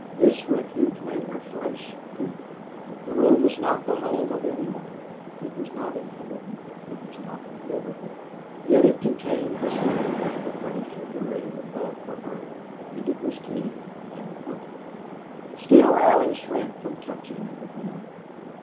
This refuge made her flesh creep. The room was not the home of any one it was not inhabited, it was not livable. Yet it contained the same kind of furniture Durade had bought for her and it was clean and comfortable. Still, Allie shrank from touching anything.